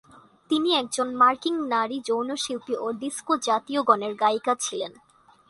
তিনি একজন মার্কিন নারী যৌন শিল্পী ও ডিস্কো জাতীয় গণের গায়িকা ছিলেন।